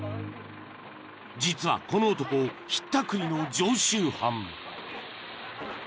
［実はこの男ひったくりの常習犯］